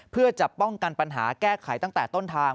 เพื่อจะป้องกันปัญหาแก้ไขตั้งแต่ต้นทาง